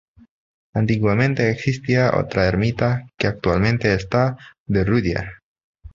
Antiguamente existía otra ermita, que actualmente está derruida.